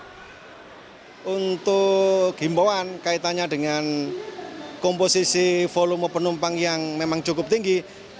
pertama untuk himbauan kaitannya dengan komposisi volume penumpang yang memang cukup tinggi